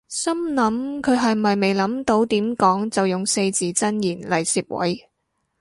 心諗佢係咪未諗到點講就用四字真言嚟攝位